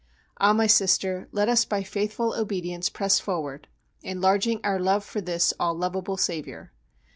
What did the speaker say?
Ah! my Sister, let us by faithful obedience press forward, enlarging our love for this all lovable Saviour.